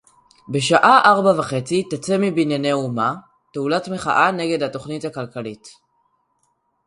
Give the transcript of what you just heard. "בשעה ארבע וחצי תצא מ"בנייני האומה" תהלוכת מחאה נגד התוכנית הכלכלית"